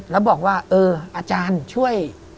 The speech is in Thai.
แล้วบอกว่าเอออาจารย์ช่วย